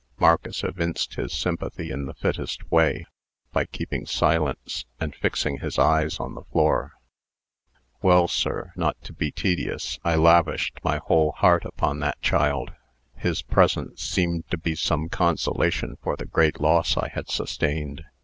Marcus evinced his sympathy in the fittest way, by keeping silence, and fixing his eyes on the floor. "Well, sir, not to be tedious, I lavished my whole heart upon that child. His presence seemed to be some consolation for the great loss I had sustained.